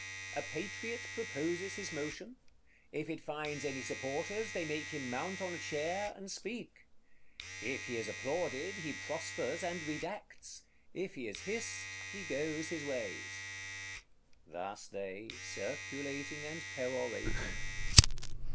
"A Patriot proposes his motion; if it finds any supporters, they make him mount on a chair, and speak. If he is applauded, he prospers and redacts; if he is hissed, he goes his ways." Thus they, circulating and perorating.